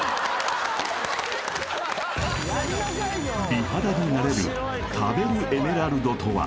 美肌になれる食べるエメラルドとは？